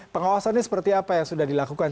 pengawasannya seperti apa yang sudah dilakukan